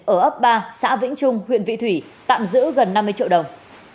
ở ấp ba xã vĩnh trung huyện vị thủy tạm giữ gần năm mươi triệu đồng